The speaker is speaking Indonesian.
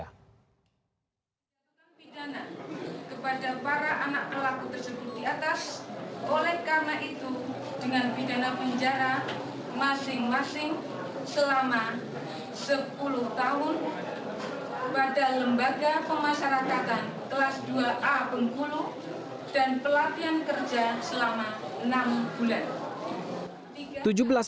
pembidana kepada para anak pelaku tersebut di atas oleh karena itu dengan pidana penjara masing masing selama sepuluh tahun pada lembaga pemasyaratan kelas dua a bengkulu dan pelatihan kerja selama enam bulan